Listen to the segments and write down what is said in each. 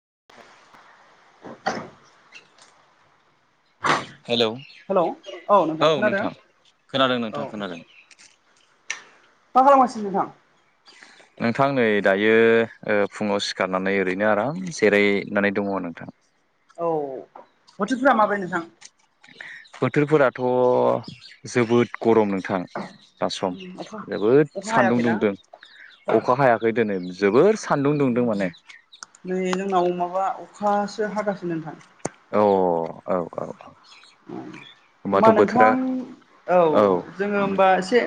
[inaudible] Hello? औ नोंथां खोनादों औ नोंथां खोनादों। मा खालामगासिनो नोंथां? नोंथां नै दायो ओ फुङाव सिखारनानै ओरैनो आराम जेरायनानै दङ नोंथां। औ बोथोरफोरा माब्रै नोंथां? बोथोरफोराथ' जोबोद गरम नोंथां। सम अखा जोबोद अखा सान्दुं हायाखैना दुंदों। अखा हायाखै दोनै जोबोर सान्दुं दुंदों माने। नै जोंनाव माबा अखासो हागासिनो नोंथां। औ औ औ औ। होमबा नोंथां औ जोङो होनबा एसे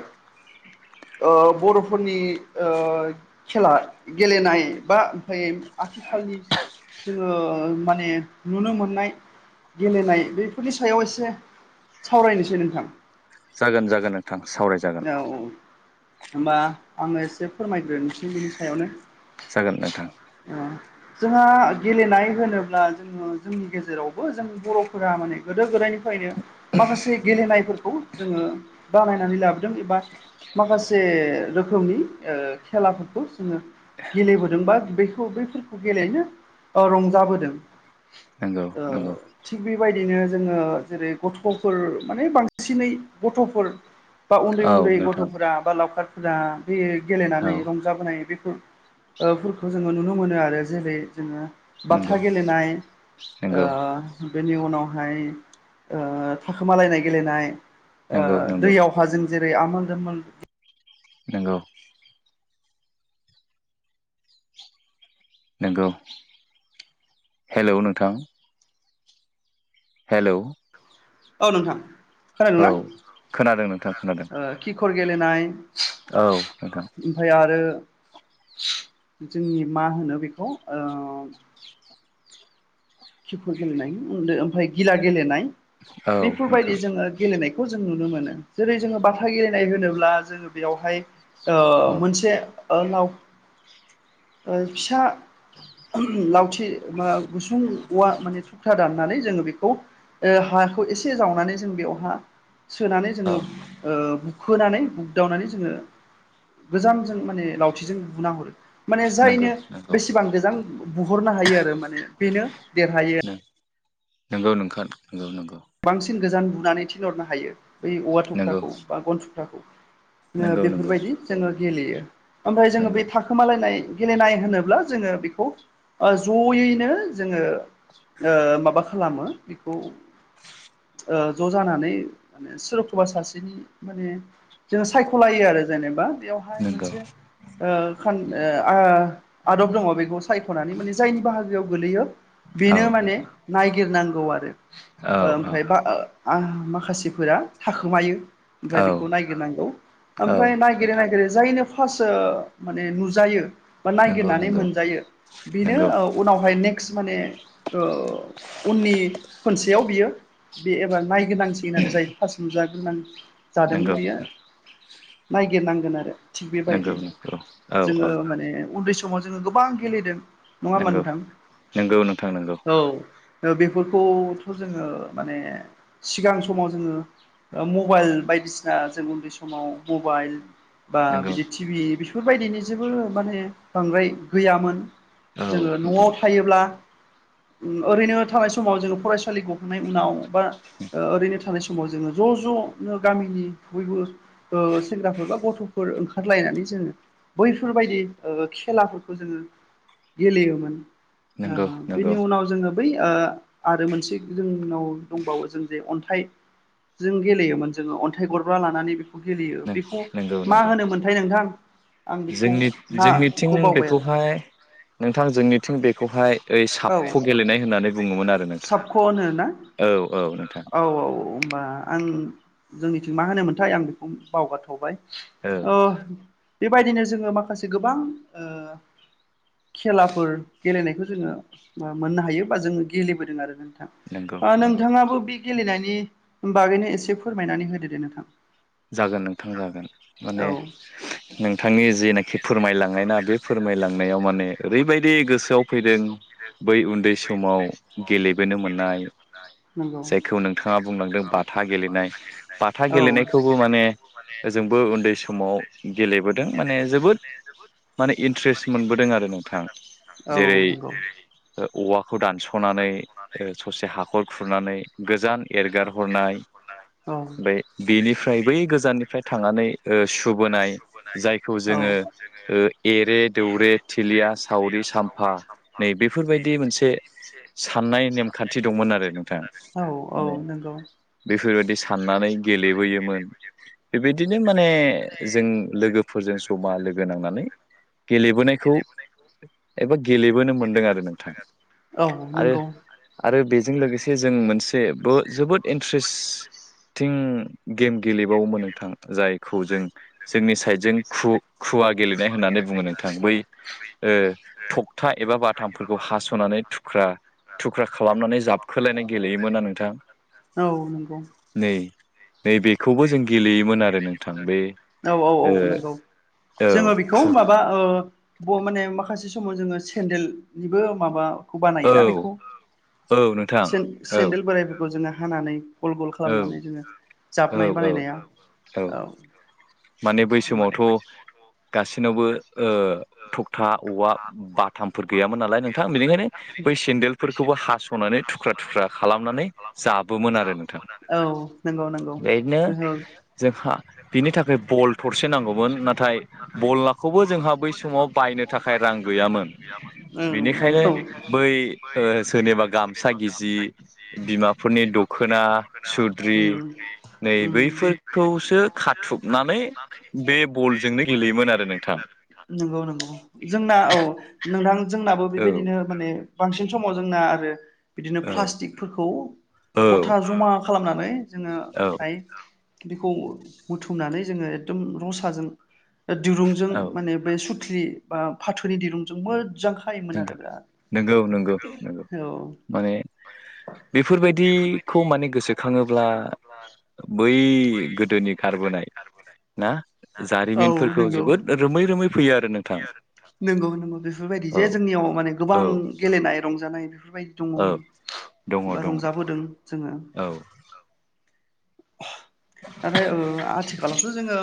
[inaudible] ओ बर'फोरनि ओ खेला गेलेनाय बा ओमफाय आथिखालनि जोङो माने नुनो मोननाय गेलेनाय बै फोरनि सायाव एसे सावरायनोसै नोंथां। जागोन जागोन नोंथां सावरायजागोन। औ होमबा आङो एसे फोरमायग्रोनिसै बेनि सायावनो। जागोन नोंथां। जोंहा गेलेनाय होनोब्ला, जोङो जोंनि गेजेरावबो जों बर'फोरा माने गोदो गोदायनिफायनो माखासे गेलेनायफोरखौ जोङो बानायनानै लाब दों एबा माखासे रोखोमनि ओ खेलाफोरखौ जोङो गेलेबोदों बा बेखौ बैफोरखौ गेलेनो ओ रंजाबोदों। नंगौ ओ नंगौ थिग बेबाय बिनो जोङो जेरै गथ'फोर माने बांसिनै गथ'फोर बा उन्दै औ उन्दै नोंथां गथ'फोरा बा लावखारफोरा बै औ गेलेनानै रंजाबोनाय बैफो ओ फोरखो जोङो नुनो मोनो आरो जेरै जोङो बाथा नंगौ गेलेनाय नंगौ ओ बेनि उनावहाय ओ थाखोमालायनाय गेलेनाय ओ नंगौ नंगौ दैयाव जेरै आमोल दोमोल नोंगौ। नंगौ हेलौ नोंथां हेलौ औ नोंथां औ खोनादोंना? खोनादों नोंथां खोनादों ओ खिखर गेलेनाय औ नोंथां ओमफाय आरो जोंनि मा होनो बेखौ ओ खिखर गेलेनाय ओनदो ओमफाय गिला गेलेनाय औ नोंथां बेफोरबायदि जोङो गेलेनायखौ जों नुनो मोनो जेरै जोङो बाथा गेलेनाय होनोब्ला जोङो बेयावहाय ओ औ मोनसे ओ लाव ओ फिसा ओम लावथि मा गुसुं उवा माने थुख्रा दाननानै जोङो बेखौ ओ हाखौ एसे जावनानै जों बेवहा सोनानै औ जोङो ओ बुख खोनानै बुगदावनानै जोङो गोजानजों माने लावथिजों बुना हरो माने नंगौ जायनो नंगौ बेसेबां गोजां बु-बु-बुहरनो हायो आरो माने बे देरहायो। नंगौ नोंखान न नंगौ। बांसिन गोजान बुनानै थिनहरनो हायो बै औवा नंगौ थुख्राखौ बा गन थुख्राखौ ओङो नंगौ नंगौ नंगौ बेफोरबायदि जोङो गेलेयो ओमफाय जोङो बै नंगौ थाखोमालायनाय गेलेनाय होनोब्ला जोङो बेखौ ओ जयैनो जोङो ओ माबा खालामो बेखौ ओ ज जानानै माने सोरखौबा सासेनि माने जोङो सायखलायो आरो जेनेबा बेयावहाय नंगौ मोनसे ओ खान ओ आ आदब दङ बेखौ सायखनानै माने जायनि बाहागोआव गोलैयो औ बेनो माने नायगिरनां गौ आरो औ ओ ओमफाय बा ओ आ माखासेफोरा थाखोमायो ओमफ्राय औ बेखौ नायगिरनायआव औ ओमफ्राय नायागिरै नायागिरै जायनो फार्स्ट ओ माने नुजायो बा नंगौ नायागिरनानै नंगौ मोनजायो बेनो नंगौ ओ उनावहाय नेक्स्ट माने ओ उननि खोनसे याव बियो बे एबार नायगिरनांसिगोन आरो जाय फास्ट नुजाग्रोनां जादोंमोन नंगौ बेयो नायगिरनांगोन आरो थिग नंगौ बेबायदि नंगौ औ जोङो औ माने उन्दै समाव जोङो गोबां गेलेदों नङा होनबा नंगौ नोंथां? नंगौ नोंथां नंगौ औ ओ बेफोरखौ [unintelligible] जोङो माने सिगां समाव जों मबाइल बायदिसिना जों उन्दै समाव मबाइल बा नंगौ बिदि टिभि बि बेफोरबायदिनि जेबो माने बांद्राय गैयामोन। औ जोङो नोंथां न'आव थायोब्ला ओरैनो थानाय समाव जोङो फरायसा गखनाय उनाव बा ओरैनो थानाय समाव जोङो ज' ज'नो गामिनि बयबो सेंग्राफोर बा गथ'फोर ओंखारलायनानै जोङो बैफोरबायदि खेलाफोरखौ जोङो गेलेयोमोन। नंगौ नंगौ बिनि उनाव जोङो बै आरो मोनसे। जोंनाव दंबावो जों जे अन्थाइजों गेलेयोमोन जोङो अन्थाइ गरब्रा लानानै बे गेलेयो बेखौ नंगौ मा नंगौ होनोमोनथाय नोंथां? आं बेखौ जोंनि जोंनिथिं नाखौ बावबाय आरो बेखौहाय नोंथां जोंनिथिं बेखौहाय ओइ औ साबख' गेलेनाय होननानै बुङोमोन आरो नोंथां। साबख' होनो ना औ औ नोंथां औ औ। बा आं जोंनिथिं मा होनोमोनथाय आं बेखौ बावगारथ'बाय। औ बेबायदिनो जोङो माखासे गोबां खेलाफोर गेलेनायखौ जोङो मोननो हायो बा जोङो गेलेबोदों आरो। नंगौ नंगौ नोंथाङाबो बे गेलेनायनि बागैनो एसे फोरमायनानै होदो दे नोंथां जागोन नोंथां जागोन माने औ नोंथांनि जेनाखि फोरमायलांनाय ना बे फोरमायलांनायाव माने ओरैबायदि गोसोआव फैदों बै उन्दै समाव गेलेबोनो मोननाय नंगौ जायखौ नोंथाङा बुंलांदों बाथा गेलेनाय बाथा औ गेलेनायखौ [inaudible] उन्दै समाव गेलेबोदों माने जोबोद माने इन्ट्रेस्ट मोनबोदों आरो नोंथां। औ जेरै नंगौ औवाखौ दानस'नानै ससे हाखर खुरनानै गोजान एरगार हरनाय औ बे बेनिफ्राय बै गोजाननिफ्राय थांनानै सुबुबोनाय जायखौ औ जोङो एरे दौरे थिलिया सावरि सामफा नै बेफोरबायदि मोनसे स नाय नेमखान्थि दंमोन आरो नोंथाङ औ औ नंगौ बेफोरबायदि साननानै गेलेबोयोमोन बेबायदिनो माने जों लोगोफोरजों जमा लोगो नांनानै गेलेबोनाय। बे खौ एबा गेलेबोनो मोनदों आरो नोंथां औ आरो नंगौ आरो बे जों लोगोसे जों मोनसेबो जोबोद इन्ट्रेस्ट [inaudible] गेम गेलेबावोमोन नोंथां जायखौ जों जोंनि साइडजों खु खुवा गेलेनाय होननानै बुङो नोंथां बै थखथा एबा बाथामफोरखौ हास'नानै थुख्रा थुख्रा खालामनानै जाबखोलायनाय गेलेयोमोन आ नोंथां नोंगौ नैबेखौबो जों गेलेयोमोन आरो नोंथां बे औ औ औ नंगौ औ जोङो बेखौ खु माबा माने माखासे समाव जोङो सेन्देलनिबो माबा खौ औ बानायोना बेखौ औ नोंथां औ सेन्देल बोराइफोरखौ जोङो हानानै गल गल औ खालामनानै जोङो औ जाबनाय औ बानायनाया औ माने बै समावथ' गासिनावबो थखथा औवा बाथामफोर गैयामोन नालाय नोंथां बिनिखायनो बै सेन्देलफोरखौबो हास'नानै थुख्रा थुख्रा खालामनानै जाबोमोन आरो नोंथां नंगौ औ नंगौ नंगौ बेनो गोहो जोंहा बिनि थाखाय बल थरसे नांगौमोन नाथाय बल नाखौ बै समाव बायनो थाखाय रां गैयामोन ओं बेनिखायनो नोंगौ बै जेनेबा गामसा गिजि बिमाफोरनि दखना सुद्रि उम नै उम बैफोरखौसो खाथुबनानै बे बलजोंनो गेलेयोमोन आरो नोंथां नंगौ नंगौ जोंना औ नोंथां जोंनाबो औ बेबायदिनो माने बांसिन समाव जोंना आरो बिदिनो औ प्लास्टिकफोरखौ औ गथा जमा खालामनानै जोङो औ ओमफ्राय बेखौ बुथुमनानै जोङो एकदम रसाजों दिरुंजों औ माने बे सुथलि बा फाथोनि दिरुंजों म नंगौ नंगौ नंगौ औ माने बेफोरबायदिखौ माने गोसोखाङोब्ला बै गोदोनि गारबोनाय ना औ जारिमिनफोरखौ नंगौ जोबोद रो नंगौ नंगौ बेफोरबायदि जे औ जोंनियाव माने औ गोबां गेलेनाय रंजानाय। बेफोरबायदि औ दङमोन दङ बा दङ रंजाबोदों जोङो। औ नाथाय ओ आथिखालावथ' जोङो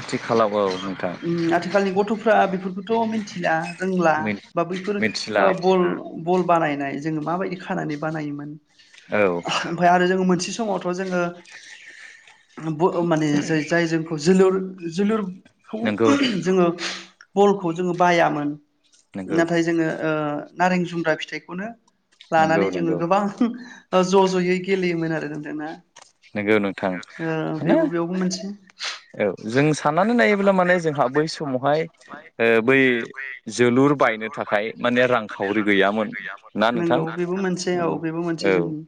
आथिखालाव औ नोंथां आथिखालनि गथ'फ्रा बेफोरखौथ' मिथिला रोंला बा बैफोर ओ मिथिला बल बल बानायनाय जोङो माबायदि खानानै बानायोमोन औ ओमफ्राय आरो जोङो मोनसे समावथ' जोङो ब माने ज जाय जोंखौ जोलुर जोलुरखौ नंगौ जोङो बलखौ जोङो बायामोन नंगौ नाथाय जोङो ओ नारें जुमब्रा फिथाइखौनो नंगौ लानानै जोङो नंगौ गोबां ज' ज'यै गेलेयोमोन आरो नोंथांना। नोंगौ नोंथां माने बेयावबो मोनसे औ जों साननानै नायोब्ला माने जोंहा बै समावहाय ओ बै जोलुर बायनो थाखाय माने रांखावरि गैयामोन। ना नोंथां नंगौ बेबो मोनसे औ माने बेबो मोनसे औ जोंनि।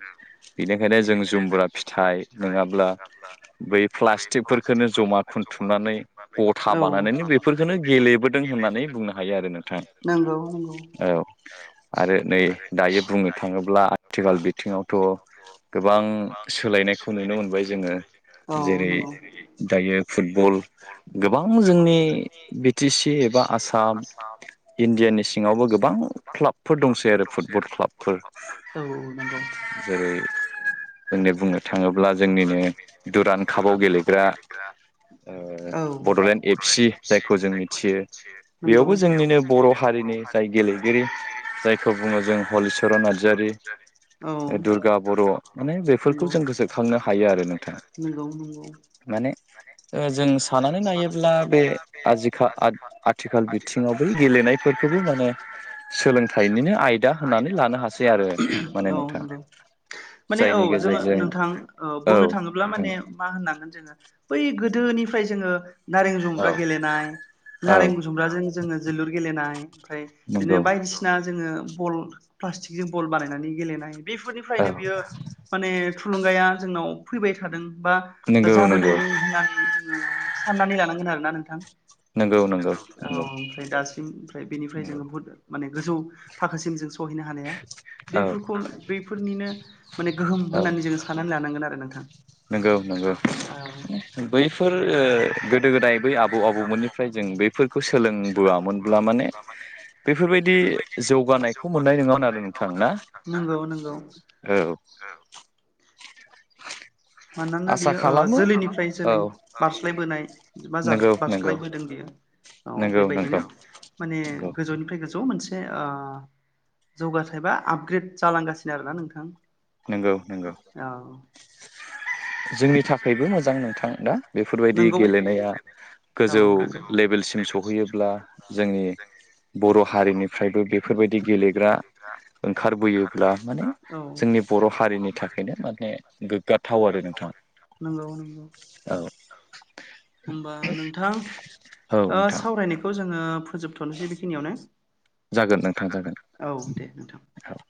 बेनिखायनो जों जुमबा फिथ फिथाइ नङाब्ला बै प्लास्टिकखोनो जमा खुथुमनानै औ गथाब बानायनानै बेफोरखौनो गेलेबोदों होननानै बुंनो हायो आरो नोंथां नंगौ नंगौ औ। आरो नै दायो बुंनो थाङोब्ला आथिखाल बिथिङावथ' गोबां सोलायनायखौ नुनो मोनबाय जोङो। औ जेरै नंगौ दायो फुटबल गोबां जोंनि बि टि सि एबा आसाम इण्डियानि सिङावबो गोबां क्लाबफोर दंसै आरो फुटबल क्लाबफोर औ नंगौ जेरै [unintelligible] होननानै बुंनो थाङोब्ला जोंनिनो दुरान कापाव गेलेग्रा ओ बड'लेण्ड एफ एफ सि जायखौ जों मिथियो नगौ बेयावबो जोंनिनो बर' हारिनि जाय गेलेगिरि जायखौ बुङो जों हलिचरन नार्जारि दुर्गा बर' माने बे नोंगौ नोंगौ नोंगौ। माने ओ जों सानानै नायोब्ला बे आजिखा आथिखाल बिथिङावबो गेलेनायफोरखौबो माने सोलोंथाइ बिनिनो आयदा होनानै लानो हासै आरो औ माने नोंथां। नंगौ माने जायनि औ। जोङो गेजेरजों नोंथां ओ औ बुंनो थाङोब्ला माने नोंथां मा होननांगोन जोङो बै गोदोनिफ्राय जोङो नारें औ जुमब्रा गेलेनाय औ नारें गुसुमब्राजों जोङो जोलुर गेलेनाय ओमफ्राय बिदिनो नंगौ बायदिसिना जोङो बल पस्टिक जों बल बानायनानै गेलेनाय औ बेफोरनिफ्रायनो बियो माने थुलुंगाया जोंनाव फैबाय थादों बा नंगौ जाबोदों नंगौ होननानै जोङो जानांगोन आरो ना नोंथां। नंगौ नंगौ औ नंगौ ओमफ्राय दासिम ओमफ्राय बेनिफ्राय नंगौ जोङो बुहुद माने गोजौ थाखोसिम जों सहैनो हानाया औ बेफोरखौ बेफोरनिनो माने गोहोम होननानै जोंङो साननानै लानांगोन आरो नोंथां। नोंगौ नोंगौ औ बैफोर ओ गोदो गोदाय बै आबौ आबौमोननिफ्राय जों बैफोरखौ सोलोंबोयामोनब्ला माने बेफोरबायदि जौगानायखौ मोननाय नङामोन आरो नोंथां ना? नंगौ नंगौ औ। मानोना आसा बेयो ओ खालामो जोलैनिफ्राय औ जोलै बारस्लायबोनाय बा जार नंगौ नंगौ बारस्लायबोदों बियो औ नंगौ नंगौ बेबायदिनो माने नंगौ गोजौनिफ्राय गोजौ माबा मोनसे ओ जौगाथाय बा आपग्रेद जालांगासिनो आरो ना नोंथां। नोंगौ नोंगौ। औ जोंनि थाखायबो मोजां नोंथां दा बेफोरबायदि नंगौ गेलेनाया। औ गोजौ नंगौ लेभेलसिम सौहैयोब्ला जोंनि बर' हारिनिफ्रायबो बेफोरबायदि गेलेग्रा ओंखारबोयोब्ला माने औ जोंनि बर' हारिनि थाखायनो माने गोग्गाथाव आरो नों नोंगौ नोंगौ। होमबा नोंथां औ ओ नोंथां सावरायनायखौ जों ओ फोजोबथ'नोसै बेखिनियावनो। जागोन नोंथां जागोन औ दे नोंथां। थां